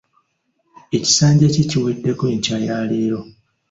Ekisanja kye kiweddeko enkya ya leero.